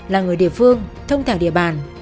là người địa phương thông thảo địa bàn